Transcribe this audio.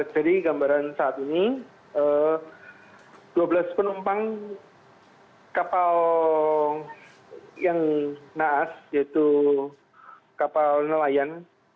jadi gambaran saat ini dua belas penumpang kapal yang naas yaitu kapal nelaikan